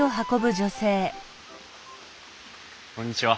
こんにちは。